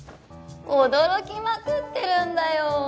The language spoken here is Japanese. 驚きまくってるんだよ